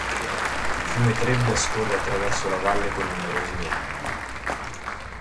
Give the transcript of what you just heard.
Il fiume Trebbia scorre attraverso la valle con numerosi meandri.